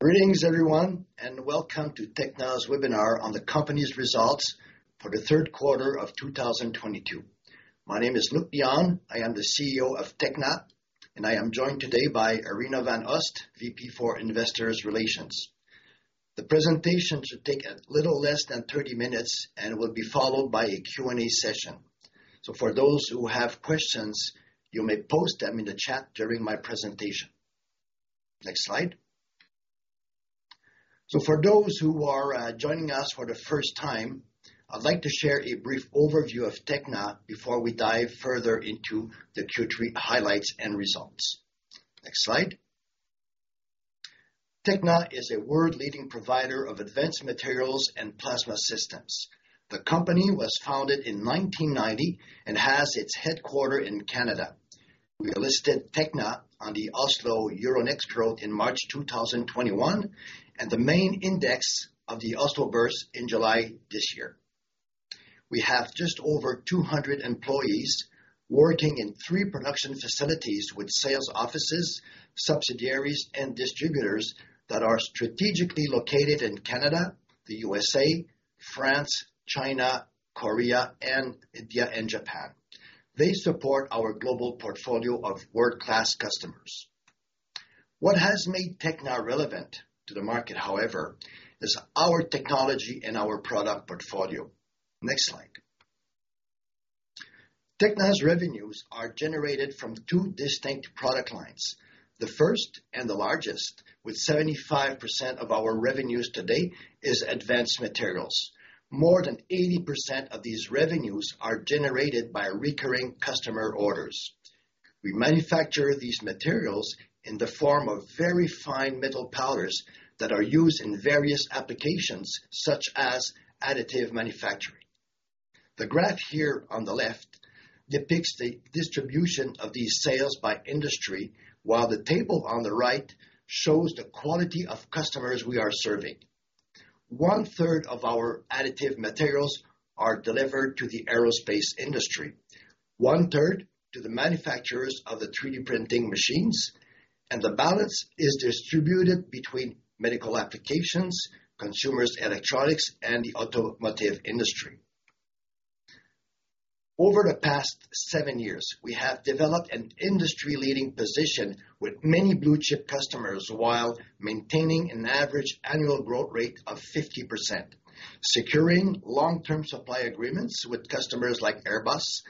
Greetings everyone, and welcome to Tekna's webinar on the company's results for the 3rd quarter of 2022. My name is Luc Dionne. I am the CEO of Tekna, and I am joined today by Arina van Oost, VP for Investor Relations. The presentation should take a little less than 30 minutes and will be followed by a Q&A session. For those who have questions, you may post them in the chat during my presentation. Next slide. For those who are joining us for the first time, I'd like to share a brief overview of Tekna before we dive further into the Q3 highlights and results. Next slide. Tekna is a world-leading provider of advanced materials and plasma systems. The company was founded in 1990 and has its headquarters in Canada. We listed Tekna on the Euronext Growth Oslo in March 2021, and the main index of the Oslo Børs in July this year. We have just over 200 employees working in three production facilities with sales offices, subsidiaries, and distributors that are strategically located in Canada, the USA, France, China, Korea, and India, and Japan. They support our global portfolio of world-class customers. What has made Tekna relevant to the market, however, is our technology and our product portfolio. Next slide. Tekna's revenues are generated from two distinct product lines. The first and the largest, with 75% of our revenues today, is advanced materials. More than 80% of these revenues are generated by recurring customer orders. We manufacture these materials in the form of very fine metal powders that are used in various applications such as additive manufacturing. The graph here on the left depicts the distribution of these sales by industry, while the table on the right shows the quality of customers we are serving. One-third of our additive materials are delivered to the aerospace industry, one-third to the manufacturers of the 3D printing machines, and the balance is distributed between medical applications, consumer electronics, and the automotive industry. Over the past seven years, we have developed an industry-leading position with many blue chip customers while maintaining an average annual growth rate of 50%, securing long-term supply agreements with customers like Airbus,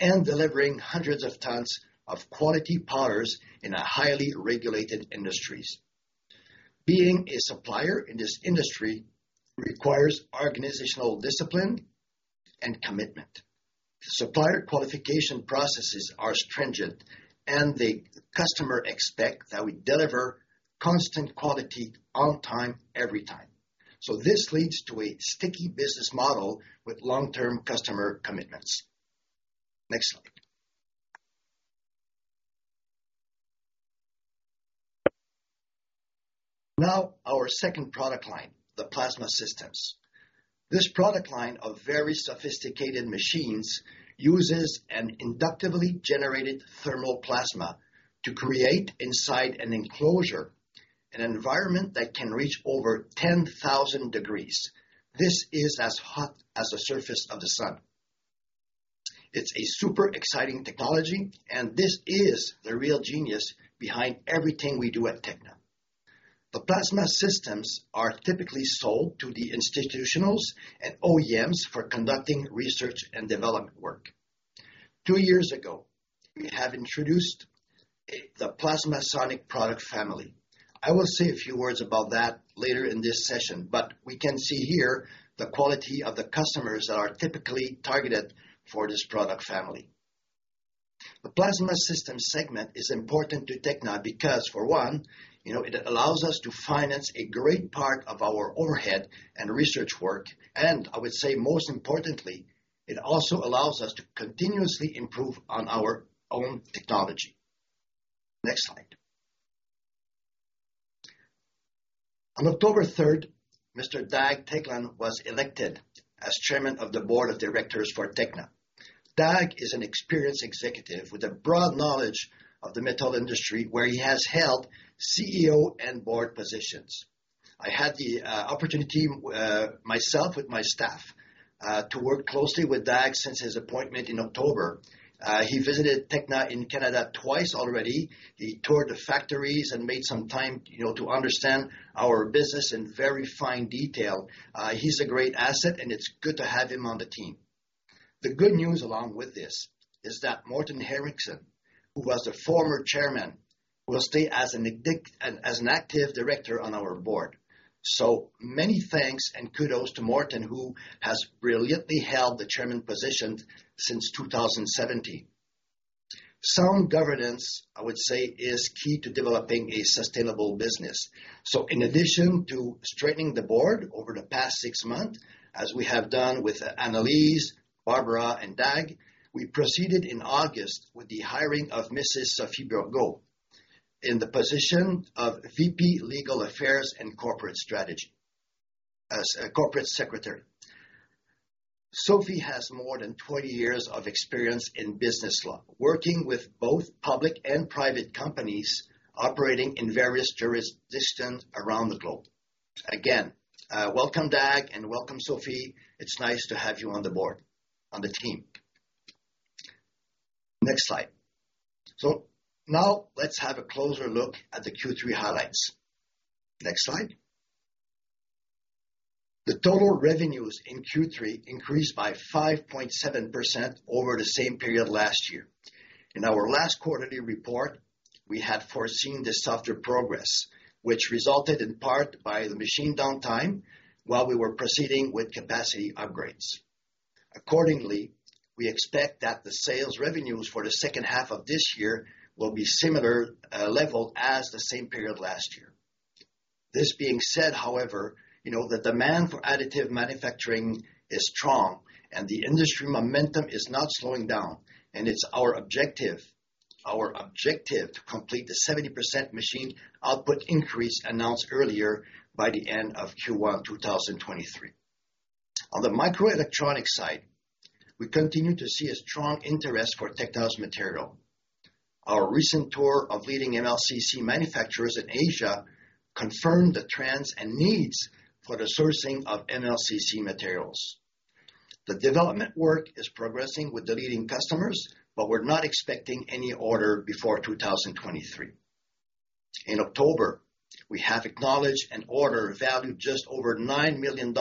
and delivering hundreds of tons of quality powders in highly regulated industries. Being a supplier in this industry requires organizational discipline and commitment. Supplier qualification processes are stringent, and customers expect that we deliver constant quality on time, every time. This leads to a sticky business model with long-term customer commitments. Next slide. Now, our second product line, the Plasma Systems. This product line of very sophisticated machines uses an inductively generated thermal plasma to create inside an enclosure, an environment that can reach over 10,000 degrees. This is as hot as the surface of the sun. It's a super exciting technology, and this is the real genius behind everything we do at Tekna. The Plasma Systems are typically sold to the institutional and OEMs for conducting research and development work. Two years ago, we have introduced the PlasmaSonic product family. I will say a few words about that later in this session, but we can see here the quality of the customers that are typically targeted for this product family. The Plasma Systems segment is important to Tekna because for one, you know, it allows us to finance a great part of our overhead and research work, and I would say most importantly, it also allows us to continuously improve on our own technology. Next slide. On October third, Mr. Dag Teigland was elected as Chairman of the Board of Directors for Tekna. Dag is an experienced executive with a broad knowledge of the metal industry where he has held CEO and board positions. I had the opportunity myself with my staff to work closely with Dag since his appointment in October. He visited Tekna in Canada twice already. He toured the factories and made some time, you know, to understand our business in very fine detail. He's a great asset and it's good to have him on the team. The good news along with this is that Morten Henriksen, who was the former chairman, will stay as an active director on our board. Many thanks and kudos to Morten, who has brilliantly held the chairman position since 2017. Sound governance, I would say, is key to developing a sustainable business. In addition to strengthening the board over the past six months, as we have done with Annelise, Barbara, and Dag, we proceeded in August with the hiring of Mrs. Sophie Burgaud in the position of VP Legal Affairs and Corporate Secretary. Sophie has more than 20 years of experience in business law, working with both public and private companies operating in various jurisdictions around the globe. Again, welcome Dag, and welcome Sophie. It's nice to have you on the board, on the team. Next slide. Now let's have a closer look at the Q3 highlights. Next slide. The total revenues in Q3 increased by 5.7% over the same period last year. In our last quarterly report, we had foreseen the softer progress, which resulted in part by the machine downtime while we were proceeding with capacity upgrades. Accordingly, we expect that the sales revenues for the second half of this year will be similar level as the same period last year. This being said, however, you know, the demand for additive manufacturing is strong, and the industry momentum is not slowing down, and it's our objective to complete the 70% machine output increase announced earlier by the end of Q1 2023. On the microelectronic side, we continue to see a strong interest for Tekna's material. Our recent tour of leading MLCC manufacturers in Asia confirmed the trends and needs for the sourcing of MLCC materials. The development work is progressing with the leading customers, but we're not expecting any order before 2023. In October, we have acknowledged an order valued just over $9 million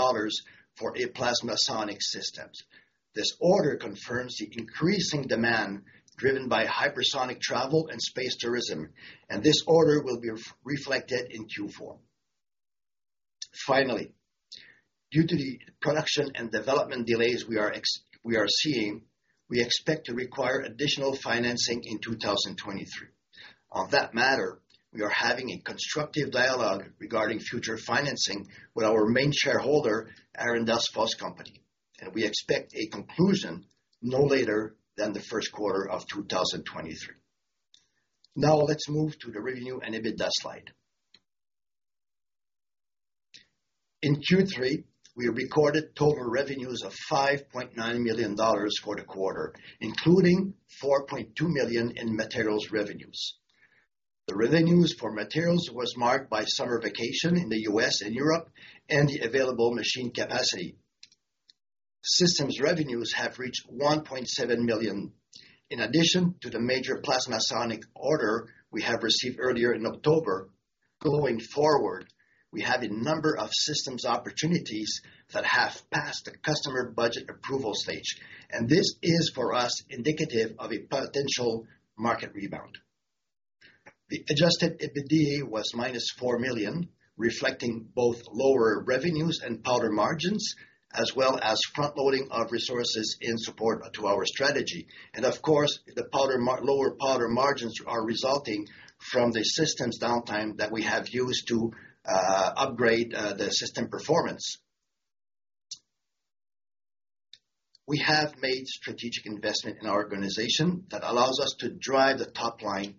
for a PlasmaSonic systems. This order confirms the increasing demand driven by hypersonic travel and space tourism, and this order will be reflected in Q4. Finally, due to the production and development delays we are seeing, we expect to require additional financing in 2023. On that matter, we are having a constructive dialogue regarding future financing with our main shareholder, Arendals Fossekompani ASA, and we expect a conclusion no later than the 1st quarter of 2023. Now let's move to the review and EBITDA slide. In Q3, we recorded total revenues of $5.9 million for the quarter, including $4.2 million in materials revenues. The revenues for materials was marked by summer vacation in the US and Europe and the available machine capacity. Systems revenues have reached $1.7 million. In addition to the major PlasmaSonic order we have received earlier in October, going forward, we have a number of systems opportunities that have passed the customer budget approval stage. This is, for us, indicative of a potential market rebound. The adjusted EBITDA was -$4 million, reflecting both lower revenues and powder margins, as well as front-loading of resources in support to our strategy. Of course, lower powder margins are resulting from the systems downtime that we have used to upgrade the system performance. We have made strategic investment in our organization that allows us to drive the top line,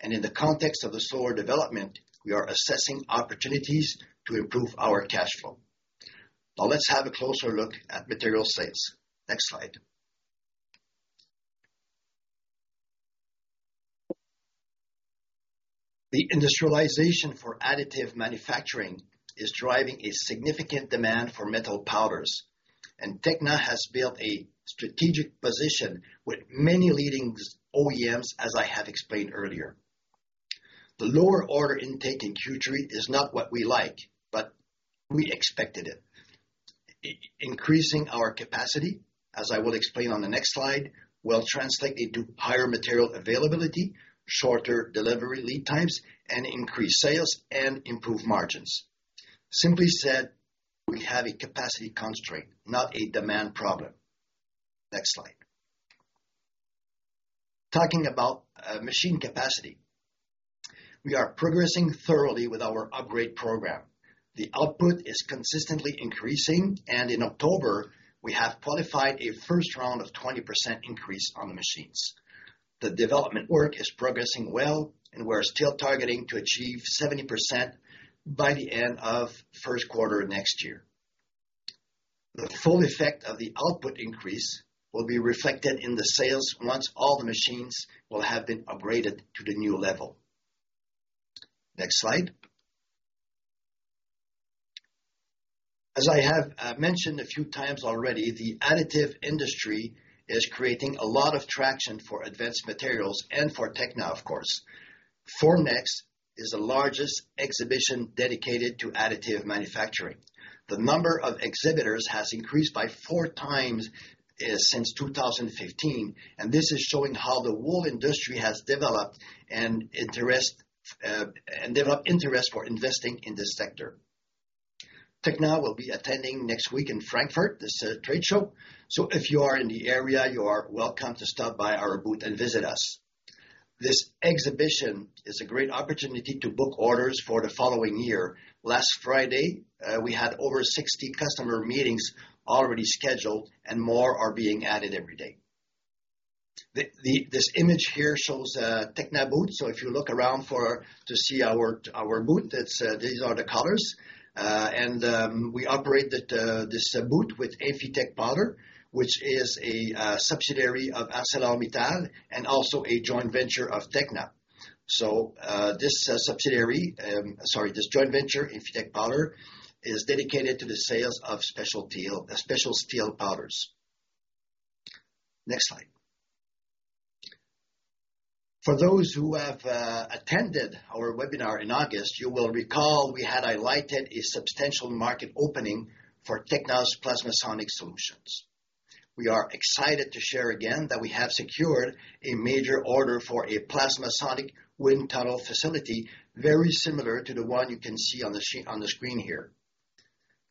and in the context of the slower development, we are assessing opportunities to improve our cash flow. Now let's have a closer look at material sales. Next slide. The industrialization for additive manufacturing is driving a significant demand for metal powders, and Tekna has built a strategic position with many leading OEMs, as I have explained earlier. The lower order intake in Q3 is not what we like, but we expected it. Increasing our capacity, as I will explain on the next slide, will translate into higher material availability, shorter delivery lead times, and increased sales and improved margins. Simply said, we have a capacity constraint, not a demand problem. Next slide. Talking about machine capacity. We are progressing thoroughly with our upgrade program. The output is consistently increasing, and in October, we have qualified a first round of 20% increase on the machines. The development work is progressing well, and we're still targeting to achieve 70% by the end of 1st quarter of next year. The full effect of the output increase will be reflected in the sales once all the machines will have been upgraded to the new level. Next slide. As I have mentioned a few times already, the additive industry is creating a lot of traction for advanced materials and for Tekna, of course. Formnext is the largest exhibition dedicated to additive manufacturing. The number of exhibitors has increased by 4x since 2015, and this is showing how the whole industry has developed interest for investing in this sector. Tekna will be attending next week in Frankfurt, this trade show, so if you are in the area, you are welcome to stop by our booth and visit us. This exhibition is a great opportunity to book orders for the following year. Last Friday, we had over 60 customer meetings already scheduled and more are being added every day. This image here shows Tekna booth. If you look around to see our booth, it's these are the colors. And, we operate at this booth with AP&C Powder, which is a subsidiary of ArcelorMittal, and also a joint venture of Tekna. This subsidiary, sorry, this joint venture, AP&C Powder, is dedicated to the sales of specialty steel powders. Next slide. For those who have attended our webinar in August, you will recall we had highlighted a substantial market opening for Tekna's PlasmaSonic Solutions. We are excited to share again that we have secured a major order for a PlasmaSonic wind tunnel facility, very similar to the one you can see on the screen here.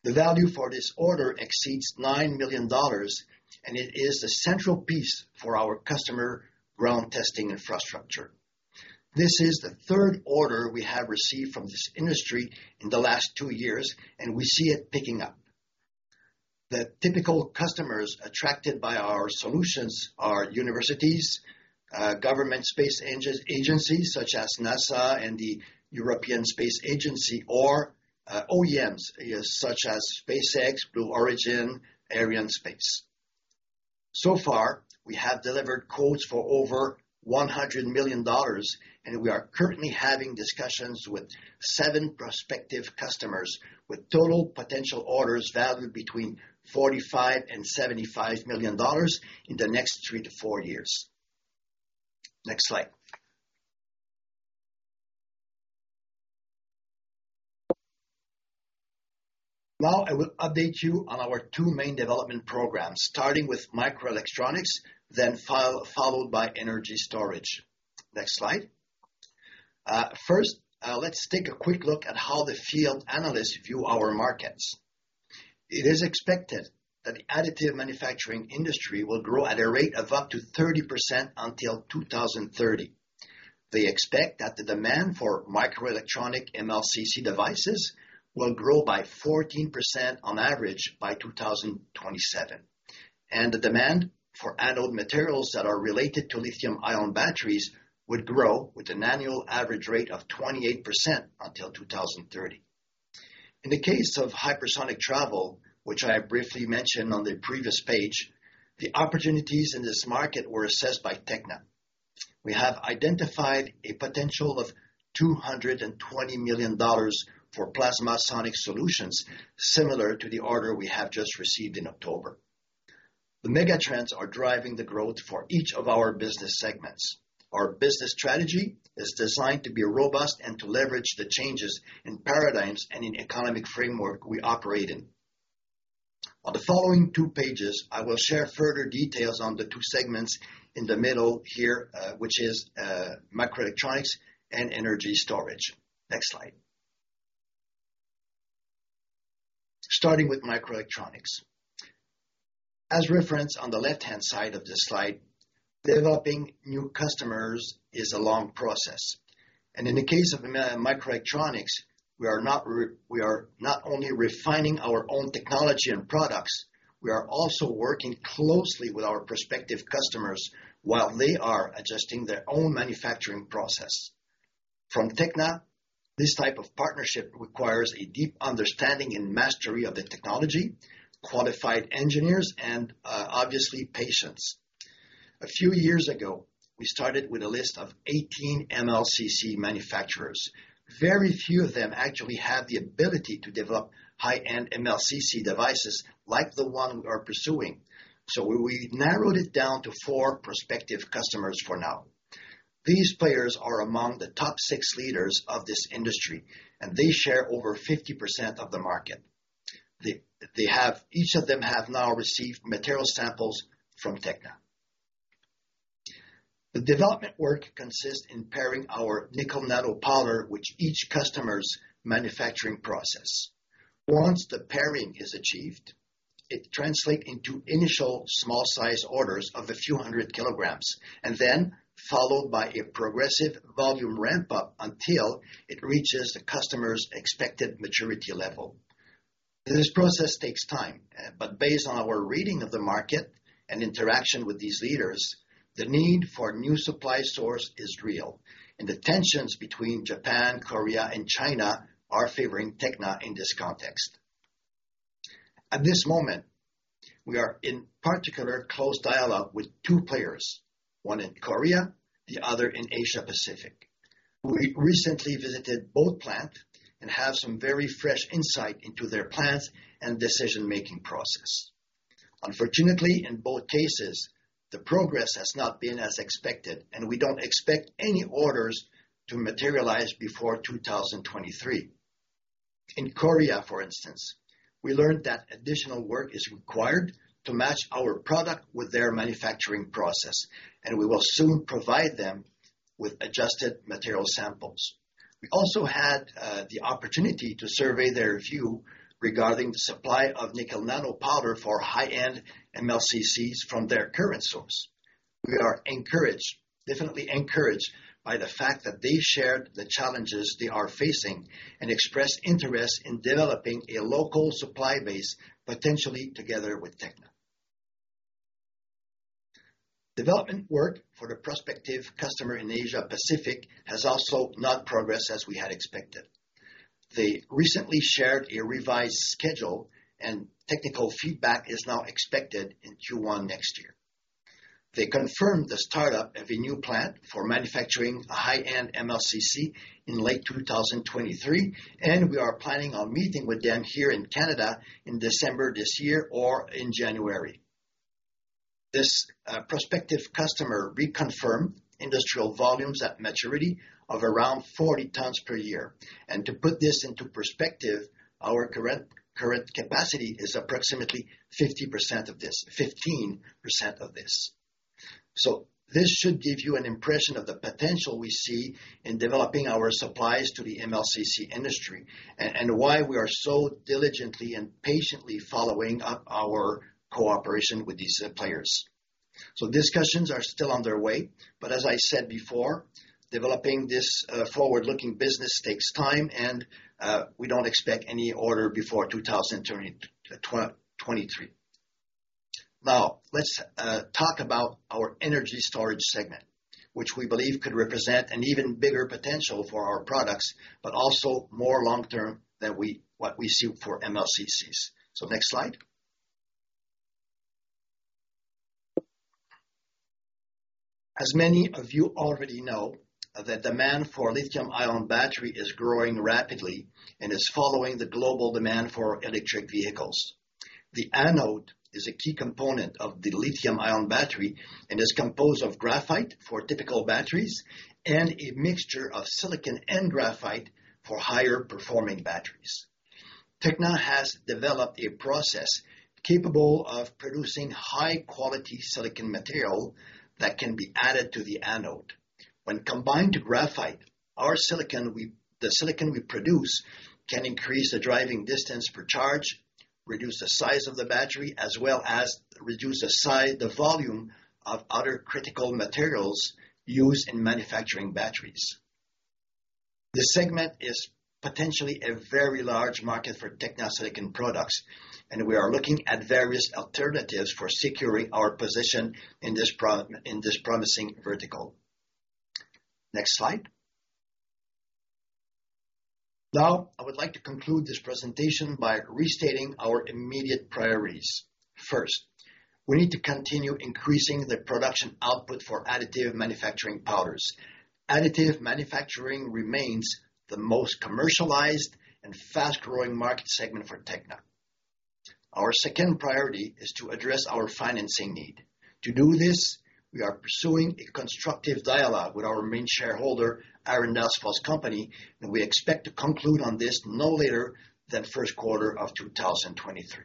The value for this order exceeds $9 million, and it is the central piece for our customer ground testing infrastructure. This is the third order we have received from this industry in the last two years, and we see it picking up. The typical customers attracted by our solutions are universities, government space agencies such as NASA and the European Space Agency or OEMs, yes, such as SpaceX, Blue Origin, Arianespace. So far, we have delivered quotes for over $100 million, and we are currently having discussions with seven prospective customers, with total potential orders valued between $45 million and $75 million in the next three to four years. Next slide. Now I will update you on our two main development programs, starting with microelectronics, then followed by energy storage. Next slide. First, let's take a quick look at how the field analysts view our markets. It is expected that the additive manufacturing industry will grow at a rate of up to 30% until 2030. They expect that the demand for microelectronic MLCC devices will grow by 14% on average by 2027. The demand for anode materials that are related to lithium-ion batteries would grow with an annual average rate of 28% until 2030. In the case of hypersonic travel, which I have briefly mentioned on the previous page, the opportunities in this market were assessed by Tekna. We have identified a potential of $220 million for PlasmaSonic solutions similar to the order we have just received in October. The megatrends are driving the growth for each of our business segments. Our business strategy is designed to be robust and to leverage the changes in paradigms and in economic framework we operate in. On the following two pages, I will share further details on the two segments in the middle here, which is microelectronics and energy storage. Next slide. Starting with microelectronics. As referenced on the left-hand side of this slide, developing new customers is a long process. In the case of microelectronics, we are not only refining our own technology and products, we are also working closely with our prospective customers while they are adjusting their own manufacturing process. From Tekna, this type of partnership requires a deep understanding and mastery of the technology, qualified engineers and obviously patience. A few years ago, we started with a list of 18 MLCC manufacturers. Very few of them actually have the ability to develop high-end MLCC devices like the one we are pursuing. We narrowed it down to 4 prospective customers for now. These players are among the top 6 leaders of this industry, and they share over 50% of the market. They have each now received material samples from Tekna. The development work consists in pairing our nickel nano powder, which each customer's manufacturing process. Once the pairing is achieved, it translates into initial small size orders of a few hundred kilograms, and then followed by a progressive volume ramp up until it reaches the customer's expected maturity level. This process takes time, but based on our reading of the market and interaction with these leaders, the need for new supply source is real, and the tensions between Japan, Korea, and China are favoring Tekna in this context. At this moment, we are in particular close dialogue with two players, one in Korea, the other in Asia-Pacific. We recently visited both plants and have some very fresh insight into their plans and decision-making process. Unfortunately, in both cases, the progress has not been as expected, and we don't expect any orders to materialize before 2023. In Korea, for instance, we learned that additional work is required to match our product with their manufacturing process, and we will soon provide them with adjusted material samples. We also had the opportunity to survey their view regarding the supply of nickel nano powder for high-end MLCCs from their current source. We are encouraged, definitely encouraged by the fact that they shared the challenges they are facing and expressed interest in developing a local supply base, potentially together with Tekna. Development work for the prospective customer in Asia Pacific has also not progressed as we had expected. They recently shared a revised schedule and technical feedback is now expected in Q1 next year. They confirmed the startup of a new plant for manufacturing a high-end MLCC in late 2023, and we are planning on meeting with them here in Canada in December this year or in January. This prospective customer reconfirmed industrial volumes at maturity of around 40 tons per year. To put this into perspective, our current capacity is approximately 15% of this. This should give you an impression of the potential we see in developing our supplies to the MLCC industry and why we are so diligently and patiently following up our cooperation with these players. Discussions are still underway, but as I said before, developing this forward-looking business takes time and we don't expect any order before 2023. Now, let's talk about our energy storage segment, which we believe could represent an even bigger potential for our products, but also more long-term than what we see for MLCCs. Next slide. As many of you already know, the demand for lithium-ion battery is growing rapidly and is following the global demand for electric vehicles. The anode is a key component of the lithium-ion battery and is composed of graphite for typical batteries and a mixture of silicon and graphite for higher performing batteries. Tekna has developed a process capable of producing high-quality silicon material that can be added to the anode. When combined to graphite, the silicon we produce can increase the driving distance per charge, reduce the size of the battery, as well as reduce the volume of other critical materials used in manufacturing batteries. This segment is potentially a very large market for Tekna silicon products, and we are looking at various alternatives for securing our position in this promising vertical. Next slide. I would like to conclude this presentation by restating our immediate priorities. First, we need to continue increasing the production output for additive manufacturing powders. Additive manufacturing remains the most commercialized and fast-growing market segment for Tekna. Our second priority is to address our financing need. To do this, we are pursuing a constructive dialogue with our main shareholder, Arendals Fossekompani ASA, and we expect to conclude on this no later than 1st quarter of 2023.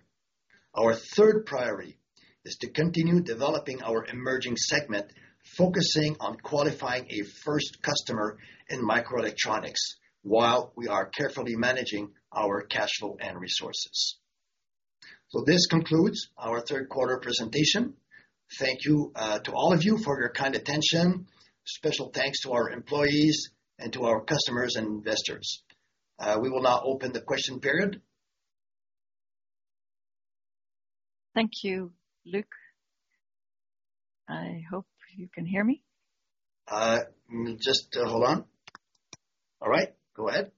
Our third priority is to continue developing our emerging segment, focusing on qualifying a first customer in microelectronics while we are carefully managing our cash flow and resources. This concludes our 3rd quarter presentation. Thank you, to all of you for your kind attention. Special thanks to our employees and to our customers and investors. We will now open the question period. Thank you, Luc. I hope you can hear me. Just hold on. All right, go ahead.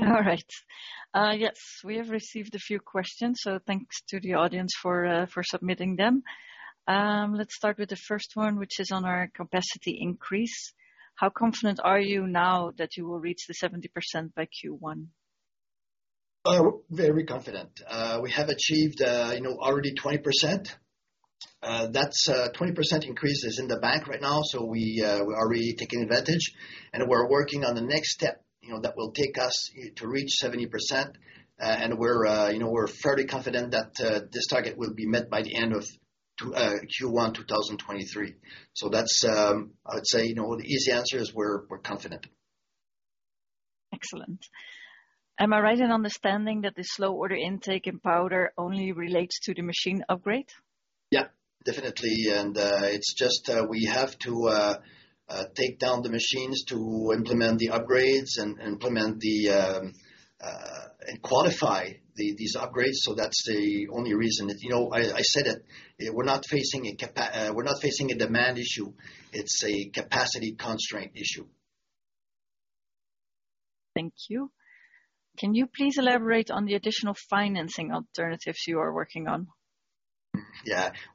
All right. Yes, we have received a few questions, so thanks to the audience for submitting them. Let's start with the first one, which is on our capacity increase. How confident are you now that you will reach the 70% by Q1? Very confident. We have achieved, you know, already 20%. That's 20% increase is in the bank right now, so we are really taking advantage, and we're working on the next step, you know, that will take us to reach 70%. We're, you know, fairly confident that this target will be met by the end of Q1 2023. That's, I would say, you know, the easy answer is we're confident. Excellent. Am I right in understanding that the slow order intake in powder only relates to the machine upgrade? Yeah, definitely. It's just we have to take down the machines to implement the upgrades and qualify these upgrades. That's the only reason. You know, I said it, we're not facing a demand issue. It's a capacity constraint issue. Thank you. Can you please elaborate on the additional financing alternatives you are working on?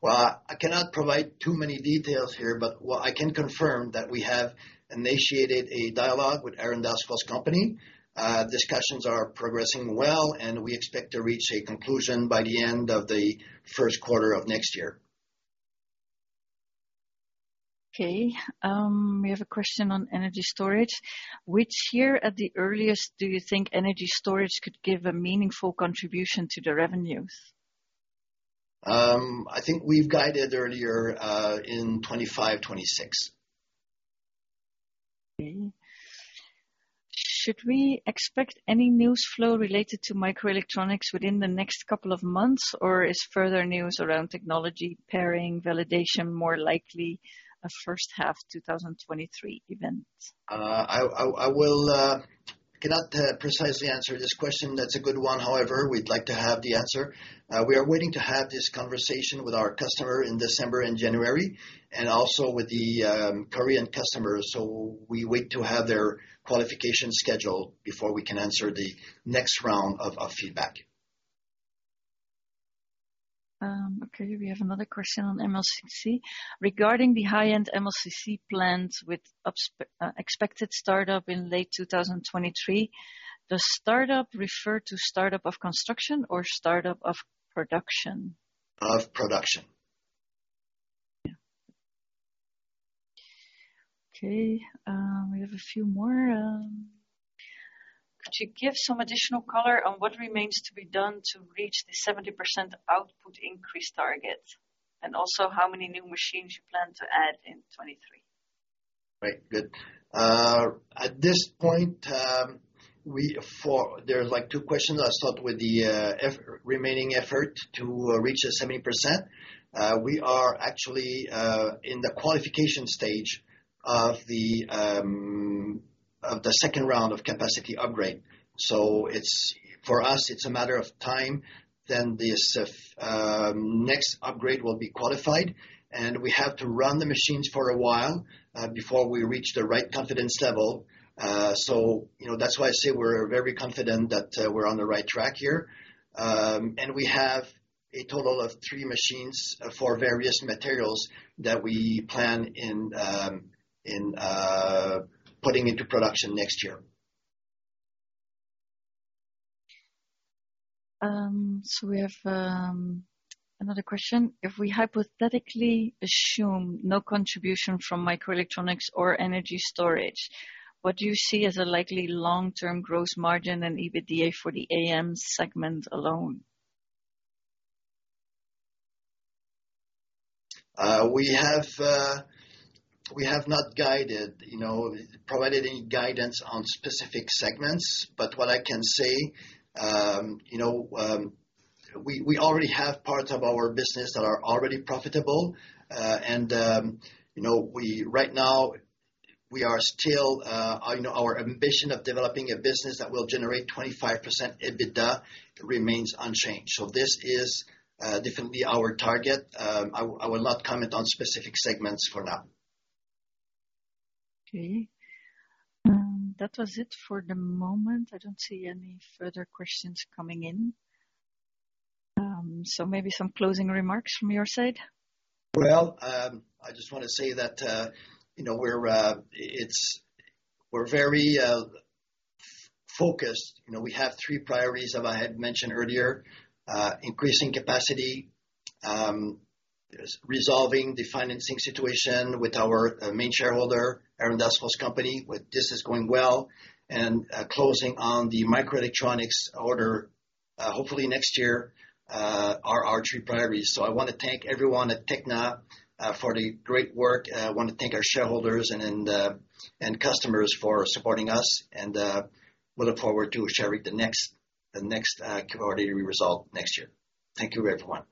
I cannot provide too many details here, but what I can confirm that we have initiated a dialogue with Arendals Fossekompani. Discussions are progressing well, and we expect to reach a conclusion by the end of the 1st quarter of next year. Okay. We have a question on energy storage. Which year at the earliest do you think energy storage could give a meaningful contribution to the revenues? I think we've guided earlier, in 2025, 2026. Okay. Should we expect any news flow related to microelectronics within the next couple of months, or is further news around technology pairing, validation, more likely a first half 2023 event? I cannot precisely answer this question. That's a good one, however, we'd like to have the answer. We are waiting to have this conversation with our customer in December and January, and also with the Korean customers. We wait to have their qualification schedule before we can answer the next round of feedback. Okay, we have another question on MLCC. Regarding the high-end MLCC plans with expected startup in late 2023, does startup refer to startup of construction or startup of production? Of production. Yeah. Okay, we have a few more. Could you give some additional color on what remains to be done to reach the 70% output increase target? Also, how many new machines you plan to add in 2023? Right. Good. At this point, there's like two questions. I'll start with the remaining effort to reach the 70%. We are actually in the qualification stage of the second round of capacity upgrade. It's, for us, it's a matter of time, then this next upgrade will be qualified, and we have to run the machines for a while before we reach the right confidence level. You know, that's why I say we're very confident that we're on the right track here. And we have a total of three machines for various materials that we plan in putting into production next year. We have another question. If we hypothetically assume no contribution from microelectronics or energy storage, what do you see as a likely long-term gross margin and EBITDA for the AM segment alone? We have not guided, you know, provided any guidance on specific segments. What I can say, you know, we already have parts of our business that are already profitable. Right now we are still, you know, our ambition of developing a business that will generate 25% EBITDA remains unchanged. This is definitely our target. I will not comment on specific segments for now. Okay. That was it for the moment. I don't see any further questions coming in. Maybe some closing remarks from your side. Well, I just wanna say that, you know, we're focused. You know, we have three priorities that I had mentioned earlier. Increasing capacity, resolving the financing situation with our main shareholder, Arendals Fossekompani ASA, which is going well, and closing on the microelectronics order, hopefully next year, are our three priorities. I wanna thank everyone at Tekna for the great work. I wanna thank our shareholders and customers for supporting us, and we look forward to sharing the next quarterly result next year. Thank you, everyone.